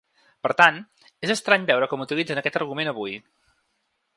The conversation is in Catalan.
Per tant, és estrany veure com utilitzen aquest argument avui.